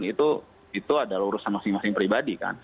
itu adalah urusan masing masing pribadi kan